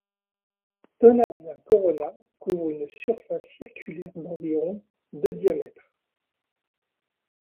Tonatzin Corona couvre une surface circulaire d'environ de diamètre.